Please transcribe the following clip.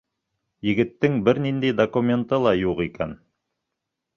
Егеттең бер ниндәй документы ла юҡ икән.